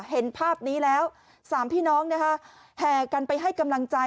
เห็นภาพนี้แล้ว๓พี่น้องแห่กันไปให้กำลังใจ